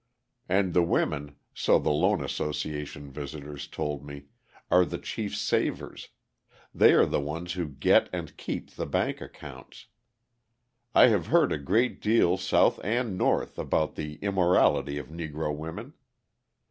And the women, so the loan association visitors told me, are the chief savers: they are the ones who get and keep the bank accounts. I have heard a great deal South and North about the immorality of Negro women.